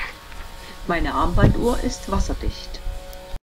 Meine Armbanduhr ist wasserdicht.